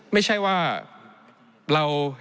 ไม่ใช่ว่า